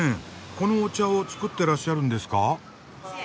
このお茶を作ってらっしゃるんですか？